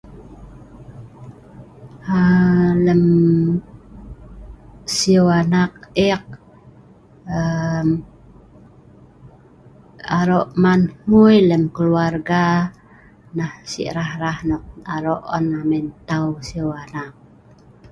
aa lem siu anak ek aa arok man hgui lem keluarga nah sik rah rah nok arok on amei ntau lem siu anak